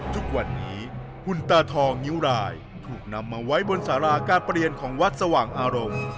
ทุกวันนี้หุ่นตาทองนิ้วรายถูกนำมาไว้บนสาราการเปลี่ยนของวัดสว่างอารมณ์